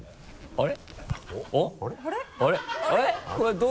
あれ？